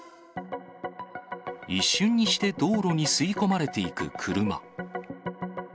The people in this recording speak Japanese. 一瞬にして道路に吸い込まれていく車。